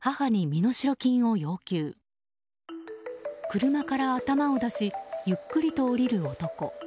車から頭を出しゆっくりと降りる男。